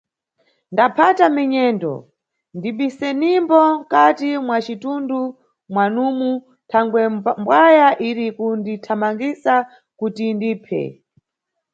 Ndaphata minyendo, ndibisenimbo mkati mwa citundu mwanumu thangwe mbwaya iri kundithamangisa kuti indiphe.